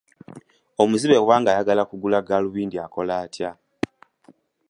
Omuzibe bw'aba ng'ayagala kugula gaalubindi, akola atya?